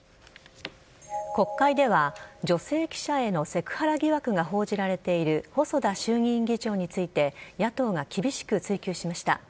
国会では女性記者へのセクハラ疑惑が報じられている細田衆議院議長について野党が厳しく追及しました。